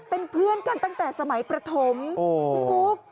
เป็นเพื่อนกันตั้งแต่สมัยประถมพี่บุ๊ค